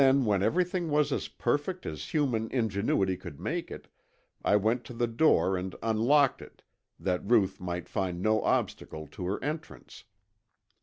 Then when everything was as perfect as human ingenuity could make it, I went to the door and unlocked it, that Ruth might find no obstacle to her entrance.